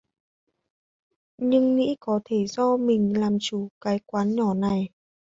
Nhưng nghĩ có thể do mình làm chủ cái quán nhỏ này